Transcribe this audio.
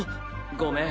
ごめん。